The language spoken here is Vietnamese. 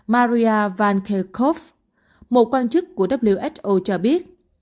maria vankerkov một quan chức của who cho biết